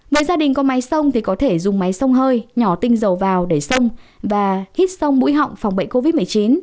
với gia đình có máy sông thì có thể dùng máy sông hơi nhỏ tinh dầu vào để sông và hít sông mũi họng phòng bệnh covid một mươi chín